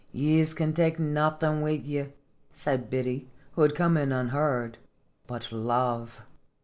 " Yees can take nothin wia ye," said Biddy, who had come in unheard, " but love."